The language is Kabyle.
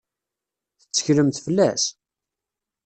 Tetteklemt fell-as?